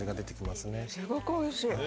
すごくおいしい。